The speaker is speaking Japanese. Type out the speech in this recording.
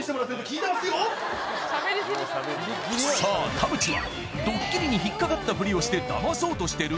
田渕はドッキリに引っ掛かったフリをしてダマそうとしてる？